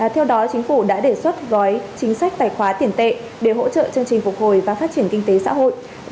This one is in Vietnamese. theo đó chính phủ đã đề xuất gói chính sách tài khoá tiền tệ để hỗ trợ chương trình phục hồi và phát triển kinh tế xã hội